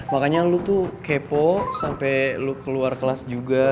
makanya lo tuh kepo sampe lo keluar kelas juga